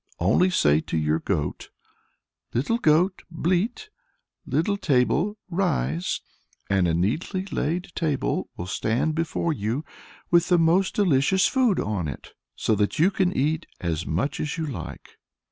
Only say to your goat, 'Little goat, bleat; little table, rise,' and a neatly laid table will stand before you with the most delicious food on it, so that you can eat as much as you like.